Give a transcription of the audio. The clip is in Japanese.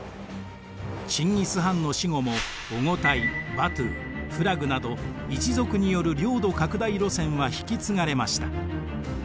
チンギス・ハンの死後もオゴタイバトゥフラグなど一族による領土拡大路線は引き継がれました。